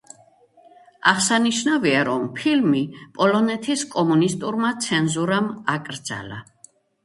აღსანიშნავია, რომ ფილმი პოლონეთის კომუნისტურმა ცენზურამ აკრძალა.